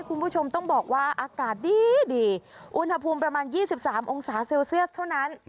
คุณผู้ชมต้องบอกว่าอากาศดีดีอุณหภูมิประมาณ๒๓องศาเซลเซียสเท่านั้น